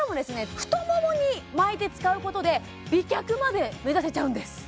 太ももに巻いて使うことで美脚まで目指せちゃうんです